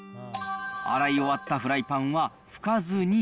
洗い終わったフライパンは拭かずに。